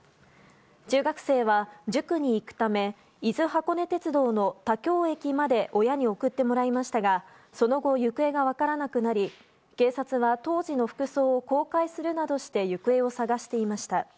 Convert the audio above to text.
中学生は塾に行くため伊豆箱根鉄道の田京駅まで親に送ってもらいましたがその後、行方が分からなくなり警察は当時の服装を公開するなどして行方を捜していました。